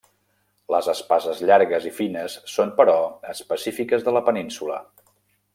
Les espases llargues i fines són, però, específiques de la península.